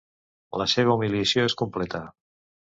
La seva humiliació és completa.